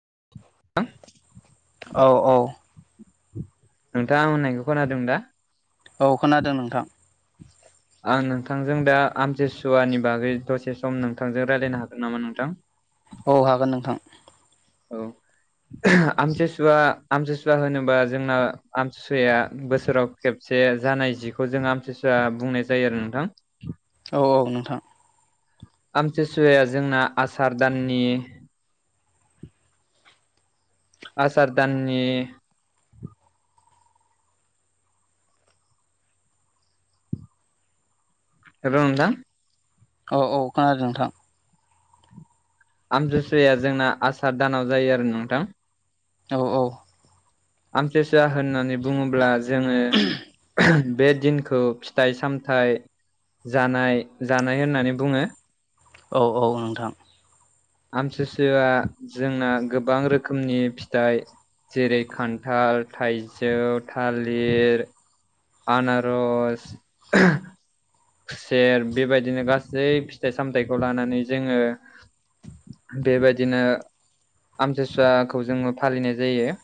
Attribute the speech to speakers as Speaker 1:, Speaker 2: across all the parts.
Speaker 1: [inaudible]
Speaker 2: औ औ
Speaker 1: नोंथाङा होननायखौ खोनादों दा
Speaker 2: औ खोनादों नोंथां
Speaker 1: [inaudible] आं नोंथांजों दा आमथिसुवानि बागै दसे सम नोंथांजों रायज्लायनो हागोन नामा नोंथां
Speaker 2: औ हागोन नोंथां
Speaker 1: औ आमथिसुवा आमथिुसुवा होनोबा जोंना आमथिसुवाया बोसोराव खेबसे जानाय जिखौ जों आमथिसुवा बुंनाय जायो आरो नोंथां
Speaker 2: औ औ नोंथां
Speaker 1: आमथिसुवाया जोंना आसार दाननि आसार दाननि हेल' नोंथां
Speaker 2: औ औ खोनादों नोंथां
Speaker 1: आमथिसुवाया जोंना आसार दानाव जायो आरो नोंथां
Speaker 2: औ औ
Speaker 1: आमथिसुवा होननानै बुङोब्ला जोङो बे दिनखौ फिथाइ सामथाइ जानाय जानाय होननानै बुङो।
Speaker 2: औ औ नोंथां
Speaker 1: आमसुसुआ जोंना गोबां रोखोमनि फिथाइ जेरै खान्थाल थाइजौ थालिर आनार'ज खुसेर बेबायदिनो गासै फिथाइ सामथायाइखौ लानानै जोङो बेबायदिनो आमथिसुवाखौ जोङो फालिनाय जायो।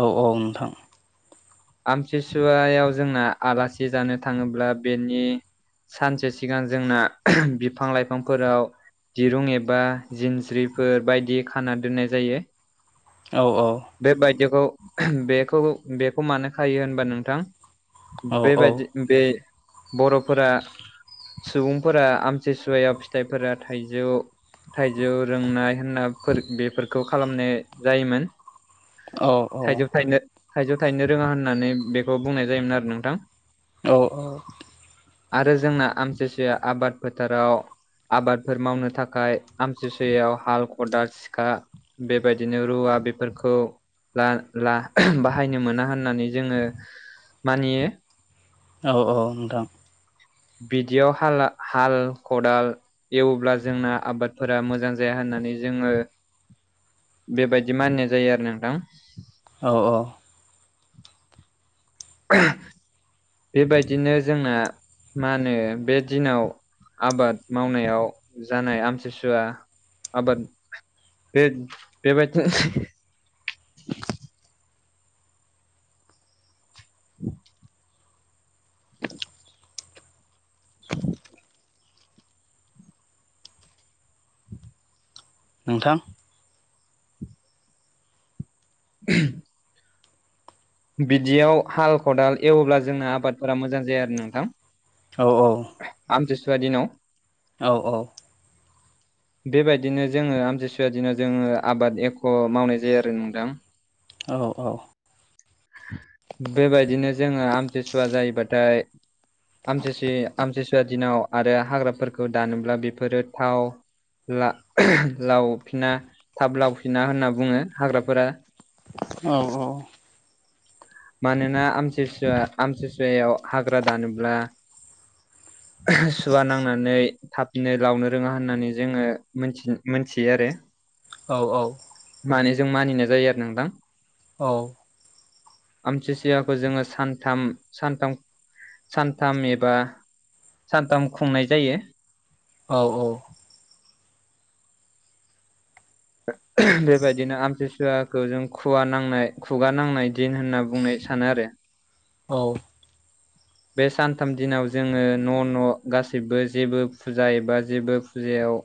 Speaker 2: औ औ नोंथां
Speaker 1: आमथिसुवायाव जोंना आलासि जानो थाङोब्ला बेनि सानसे सिगां जोंना बिफां लाइफांफोराव दिरुं एबा जिनस्रिफोर बायदि खाना दोननाय जायो।
Speaker 2: औ
Speaker 1: बे बायदिखौ बेखौ बेखौ मानो खायो होनबा नोंथां
Speaker 2: औ औ
Speaker 1: बेबायदि बे बर'फोरा सुबुंफोरा आमथिसुवायाव फिथाइफोरा थाइजौ थाइजौ रोंनाय होनना बेफोरखौ खालामनाय जायोमोन।
Speaker 2: औ औ
Speaker 1: थाइजौ थाइनो थाइजौ थायनो रोङा होननानै बेखौ बुंनाय जायोमोन आरो नोंथां।
Speaker 2: औ औ
Speaker 1: आरो जोंना आमथिसुया आबाद फोथाराव आबादफोर मावनो थाखाय आमसुसुयायाव हाल खदाल सिखा बेबायदिनो रुवा बाहायनो मोना होननानै जोङो। मानियो
Speaker 2: औ औ नोंथां
Speaker 1: बिदियाव हा हाल खदाल एवब्ला जोंना आबादफोरा मोजां जाया होननानै जोङो बेबायदि मानिनाय जायो आरो नोंथां
Speaker 2: औ औ
Speaker 1: [inaudible] बेबायदिनो जोंना मा होनो बे दिनाव आबाद मावनायाव जानाय आमथिसुवा आबाद बे बेबायदि [inaudible] [inaudible]
Speaker 2: नोंथां
Speaker 1: [inaudible] बिदियाव हाल खदाल एव्ला जोंना आबादफोरा मोजां जाया आरो नोंथां
Speaker 2: औ
Speaker 1: आमथिसुवा दिनाव
Speaker 2: औ औ
Speaker 1: बेबायदिनो जोङो आमथिसुव दिनाव जोङो आबाद एख' मावनाय जायो आरो नोंदां
Speaker 2: औ औ
Speaker 1: बेबायदिनो जोङो आमथिसुवा जायोबाथाय आमसिसु आमसिसुवा दिनाव आरो हाग्राफोरखौ दानोब्ला बेफोरो थाव ला लावफिना थाब लावफिना होनना बुङो हाग्राफोरा।
Speaker 2: औ औ
Speaker 1: मानोना आमुथि आमथिसुवायाव हाग्रा दानोब्ला। सुवा नांनानै थाबनो लावनो रोङा होननानै जोङोथि मोनथियो आरो।
Speaker 2: औ औ।
Speaker 1: मान जों मानिनाय जायो आरो नोंथां।
Speaker 2: औ।
Speaker 1: आमथिुसुवाखौ जोङो सानथाम सानथाम सानथाम एबा सानथाम खुंनाय जायो। [inaudible] बेबायदिनो आमतसुवाखौ जों खुवा नांनाय खुगा नांनाय दिन होनना बुंनो सानो आरो।
Speaker 2: औ।
Speaker 1: बे सानथाम दिनाव जोंङो न' न' गासिबो जेबो फुजा एबा जेबो फुजायाव।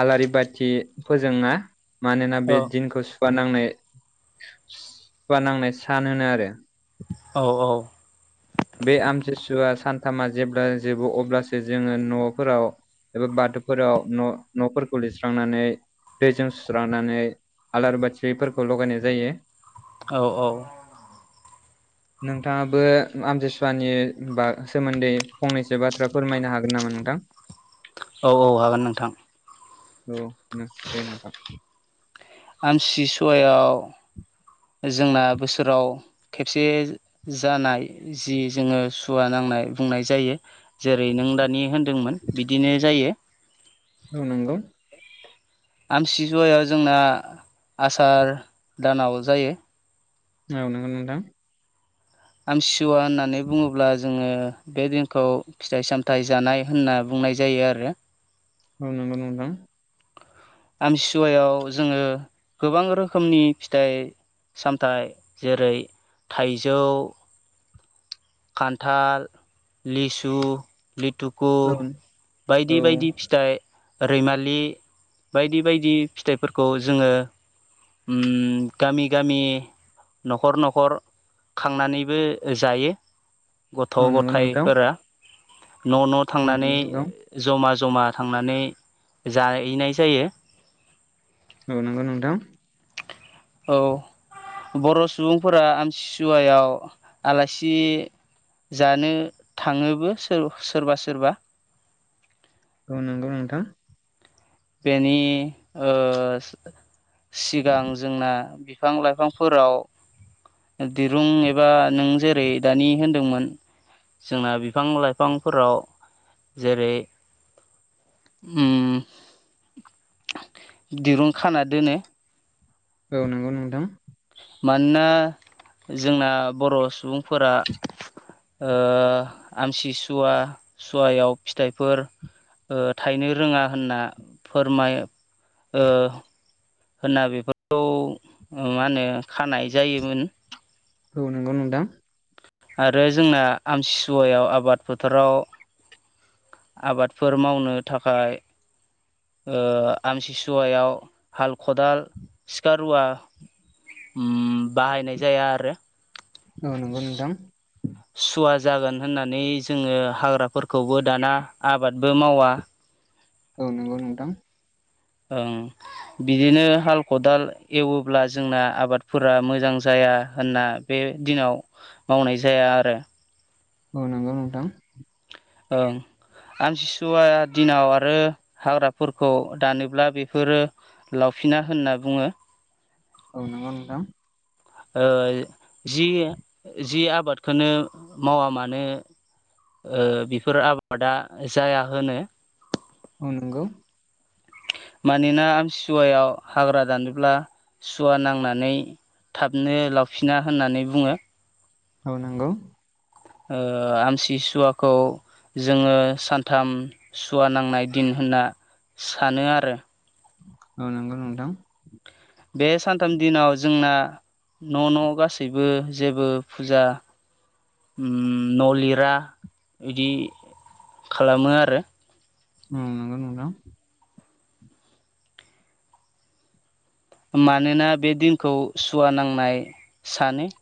Speaker 1: आलारि बाथि फोजोंङा मानोना बे दिनखौ। नांनाय सुवा नांनाय सान होनो आरो
Speaker 2: औ औ।
Speaker 1: बे आमथिसुवा सानथामा जेब्ला जोबो अब्लासो जोंङो न'फोराव। एबा बाथौफोराव न' न'फोरखौ लिरस्रांनानै। दैजों सुस्रांनानै आलारि बाथिफोरखौ लगायनाय जायो।
Speaker 2: औ औ।
Speaker 1: नोंथांङाबो आमथिसुवानि ब सोमोन्दै फंनैसो बाथ्रा फोरमायनो हागोन नामा नोंथां।
Speaker 2: औ औ हागोन नोंथां।
Speaker 1: औ [unintelligible] नोंथां
Speaker 2: आमथिसुवायाव जोंना बोसोराव खेबसे जानाय जि जोंङो सुवा नांनाय खुंनाय जायो जेरै नों दानि होनदोंमोन बिदिनो जायो।
Speaker 1: औ नंगौ।
Speaker 2: आमसिजुवायाव जोंना आसार दानाव जायो।
Speaker 1: औ नंगौ नोंथां।
Speaker 2: आमथिसुवा होननानै बुंङोब्ला जोंङो। बे दिनखौ फिथाइ सामथायाइ जानाय होनना बुंनाय जायो आरो
Speaker 1: औ नांगौ नोंथां
Speaker 2: आमसुवायाव जोंङो गोबां रोखोमनि फिथाइ सामथायाइ जेरै थाइजौ खान्थाल लिसु लिथुकु
Speaker 1: औ औ
Speaker 2: बायदि बायदि फिथाइ रैमालि बायदि बायदि फिथाइफोरखौ जोंङो गामि गामि न'खर न'खर खांनानैबो जायो।
Speaker 1: औ
Speaker 2: गथ'
Speaker 1: नंगौ नोंथां
Speaker 2: गथायाइफोरा न' न'
Speaker 1: औ
Speaker 2: थांनानै
Speaker 1: नंगौ नोंथां
Speaker 2: जमा जमा थांनानै जाहैनाय जायो।
Speaker 1: औ नंगौ नोंथां।
Speaker 2: औ। बर' सुबुंफोरा आमसिसुवायाव आलासि जानो थांङोबो सोरबा सोरबा।
Speaker 1: औ नंगौ नोंथां।
Speaker 2: बेनि सिगां जोंना बिफां लाइफांफोराव दिरुं एबा नों जेरै दानि होनदोंमोन जोंना बिफां लाइफांफोराव जेरै उम दिरुं खाना दोनो।
Speaker 1: औ नंगौ नोंथां
Speaker 2: मानोना जोंना बर' सुबुंफोरा आमसिसुवा सुवायाव फिथाइफोर थायनो रोङा होनना फोरमायो होनना बेफोरखौ मा होनो खानाय जायोमोन
Speaker 1: औ नंगौ नोंथां
Speaker 2: आरो जोंना आमथिसुवायाव आबाद फोथाराव आबादफोर मावनो थाखाय आमसिसुवायाव हाल खदाल सिखा रुवा बाहायनाय जाया आरो
Speaker 1: औ नंगौ नोंथां
Speaker 2: सुवा जागोन होननानै जोङो हाग्राफोरखौबो दाना आबादबो मावा
Speaker 1: औ नंगौ नोंथां
Speaker 2: ओं बिदिनो हाल खदाल एवोब्ला जोंना आबादफोरा मोजां जाया होनना बे दिनाव मावनाय जाया आरो
Speaker 1: औ नंगौ नोंथां
Speaker 2: ओं आमथिसुवा दिनाव आरो हाग्राफोरखौ दानोब्ला बेफोरो लाव फिना होनना बुङो
Speaker 1: औ नंगौ नोंथां
Speaker 2: जि जि आबादखौनो मावा मानो बेफोर आबादा जाया होनो
Speaker 1: नंगौ
Speaker 2: मानोना आमथिसुवायाव हाग्रा दानोब्ला सुवा नांनानै थाबनो लावफिना होननानै बुङो
Speaker 1: औ नंगौ
Speaker 2: आमथिसुवाखौ जोङो सानथाम सुवा नांनाय दिन होनना सानो आरो
Speaker 1: औ नंगौ नोंथां
Speaker 2: बे सानथाम दिनाव जोंना न' न' गासैबो जेबो फुजा न' लिरा बिदि खालामो आरो
Speaker 1: ओ नंगो नोंथां
Speaker 2: मानोना बे दिनखौ सुवा नांनाय सानो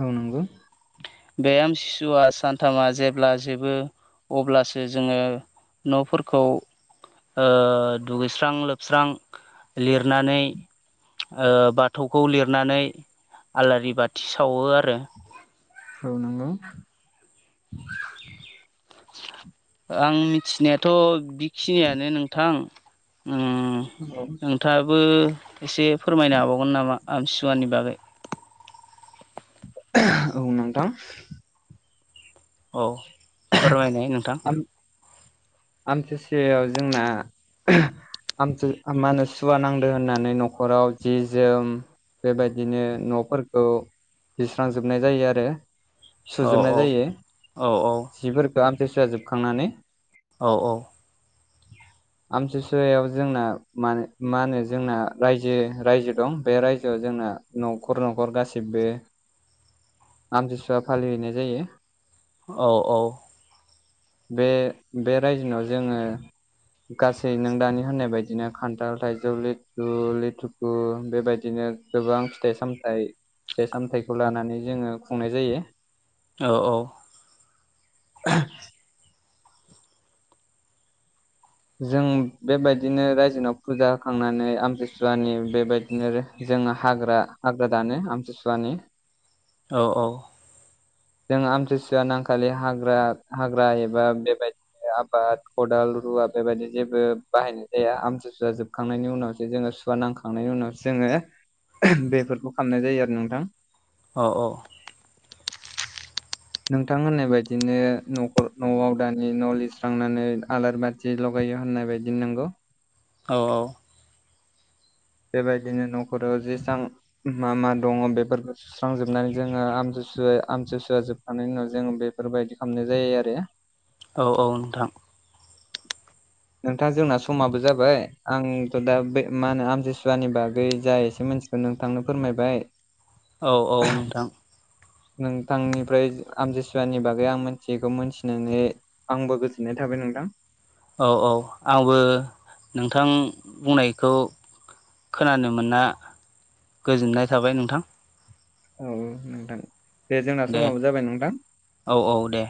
Speaker 1: औ नांगौ
Speaker 2: बे आमथिसुआ सानथामा जेब्ला जोबो अब्लासो जोङो न'फोरखौ दुगैस्रां लोबस्रां लिरनानै बाथौखौ लिरनानै आलारि बाथि सावो आरो
Speaker 1: औ नंगौ
Speaker 2: आं मिथिनायाथ' बिखिनियानो नोंथां नोंथां आबो एसे फोरमायनो हाबावगोन नामा आमथिसुवानि बागै
Speaker 1: औ नोंथां
Speaker 2: औ फोरमायनाय नोंथां
Speaker 1: आमथिसेयाव जोंना आ मा होनो सुवा नांदों होननानै न'खराव जि जोम बेबायदिनो न'फोरखौ लिस्रांजोबनाय जायो आरो
Speaker 2: औ औ औ औ
Speaker 1: फोरखौ आमथिसुवा जोबखांनानै
Speaker 2: औ औ
Speaker 1: [inaudible] आमथिसुवायाव जोंना मा मा होनो जोंना रायजो रायजो दं बे रायजोआव जों जोंना न'खर न'खर गासिबो आमथिसुवा फालिहैनाय जायो
Speaker 2: औ औ
Speaker 1: बे बे रायजोनाव जोङो गासै नों दानि होननाय बायदिनो खानथाल थाइजौ लिथु लेथुखु बेबायदिनो गोबां फिथाइ सामथाय फिथाइ सामथायखौ लानानै जोङो खुंनाय जायो
Speaker 2: औ औ
Speaker 1: [unintelligible] जों बेबायदिनो रायजोनाव फुजा होखांनानै आमथि सुवानि बेबायदिनो जोङो हाग्रा हाग्रा दानो आमथि सुवानि
Speaker 2: औ औ
Speaker 1: जों आमथि सुवा नांखालि हाग्रा हाग्रा एबा बेबाय आबाद खदाल रुवा बेबायदि जेबो बाहायनाय जाया आमथि सुवा जोबखांनायनि उनावसो जोङो सुवा नांखांनायनि उनावसो जोङो बेफोरखौ खालामनाय जायो आरो ना नोंथां
Speaker 2: औ औ
Speaker 1: नोंथां होननाय बायदिनो नखर न'आव दानि न' लिरस्रांनानै आलारि बाथि लगाय होयो होननाय बायदिनो नंगौ
Speaker 2: औ औ
Speaker 1: बेबायदिनो न'खराव जेसां मा मा दङ बेफोरखौ सुस्रांजोबनानै जोङो आमथि सुवा आमथि सुवा जोबखांनायनि उनाव जोंङो बेफोरबायदि खालामनाय जायो आरो
Speaker 2: औ औ नोंथां
Speaker 1: नोंथां जोंना समाबो जाबाय आंथ' दा बे मा होनो आमथि सुवानि बागै जा एसे [unintelligible] नोंथांनो फोरमायबाय
Speaker 2: औ औ नोंथां
Speaker 1: नोंथांनिफ्राय आमथि सुवानि बागै आं मोनथियैखौ मोनथिनानै आंबो गोजोननाय था बाय नोंथां
Speaker 2: औ औ आंबो नोंथां बुंनायखौ खोनानो मोनना गोजोननाय थाबाय नोंथां
Speaker 1: औ नोंथां दे जोंना समाबो जाबाय नोंथां
Speaker 2: औ औ दे